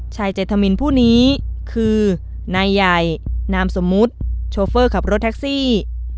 เจธมินผู้นี้คือนายใหญ่นามสมมุติโชเฟอร์ขับรถแท็กซี่